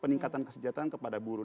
peningkatan kesejahteraan kepada buruh